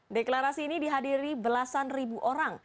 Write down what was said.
deklarasi ini dihadiri belasan ribu orang